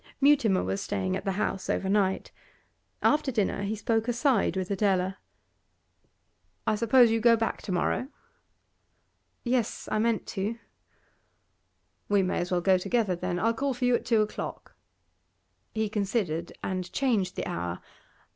Mutimer was staying at the house over night. After dinner he spoke aside with Adela. 'I suppose you go back to morrow?' 'Yes, I meant to.' 'We may as well go together, then. I'll call for you at two o'clock.' He considered, and changed the hour.